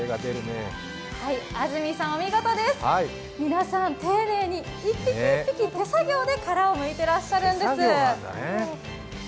安住さんお見事です、皆さん丁寧に１匹１匹手作業で殻をむいていらっしゃるんです。